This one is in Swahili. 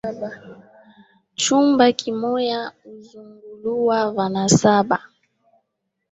Chumba kimoya huzunguluwa vana saba.